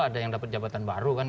ada yang dapat jabatan baru kan